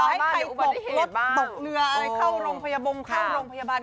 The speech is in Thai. ต่อให้ใครตกเหนือออกเข้ารงพยาบรรยาบัน